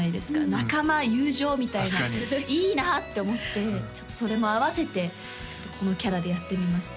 仲間友情みたいな確かにいいなって思ってそれもあわせてこのキャラでやってみました